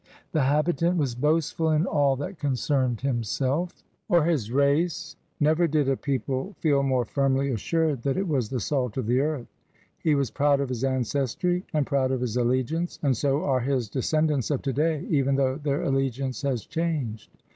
The habitant was boastful in all that concerned himself IS 226 CRUSADERS OF NEW FRANCE or his race; never did a people feel more firmly assured that it was the salt of the earth. He was proud of his ancestry, and proud of his all^iance; and so are his descendants of today even though their all^iance has changed.